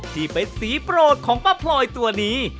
ที่เป็นสีโปรดของป้าพลอยตัวนี้